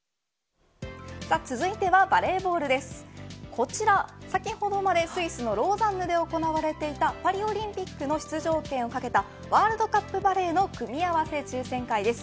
こちら先ほどまでスイスのローザンヌで行われていたパリオリンピックの出場権を懸けたワールドカップバレーの組み合わせ抽選会です。